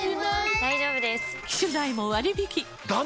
大丈夫です！